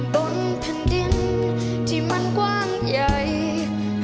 บนแผ่นดินที่มันกว้างใหญ่